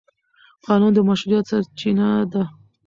قانون د مشروعیت سرچینه ده.